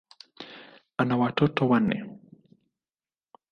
Ana watoto wanne.